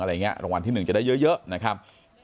รางวัลที่๑จะได้เยอะนะครับ